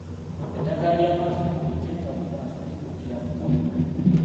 Eddagala ly'amaaso bw'oliteeka mu maaso liggukira mu kamwa.